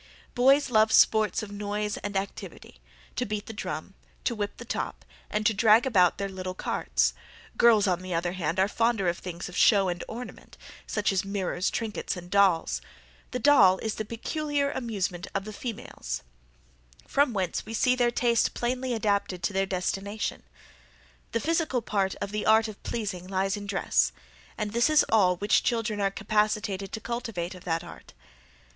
Boys love sports of noise and activity; to beat the drum, to whip the top, and to drag about their little carts: girls, on the other hand, are fonder of things of show and ornament; such as mirrors, trinkets, and dolls; the doll is the peculiar amusement of the females; from whence we see their taste plainly adapted to their destination. The physical part of the art of pleasing lies in dress; and this is all which children are capacitated to cultivate of that art."